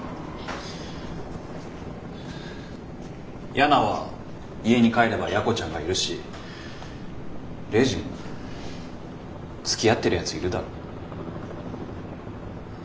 ヤナは家に帰ればやこちゃんがいるしレイジもつきあってるやついるだろ？